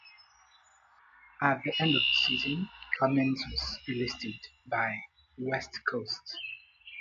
At the end of the season Cummings was delisted by West Coast.